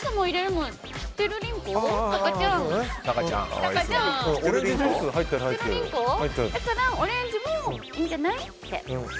だからオレンジもいいんじゃない？って。